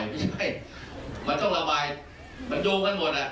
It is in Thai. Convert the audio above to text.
ไม่ใช่มันต้องระบายมันดูกันหมด